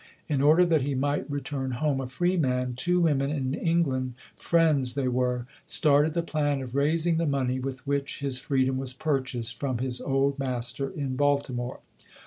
In order that he might re turn home a free man, two women in England, "Friends" they were, started the plan of raising the money with which his freedom was purchased from his old master in Baltimore.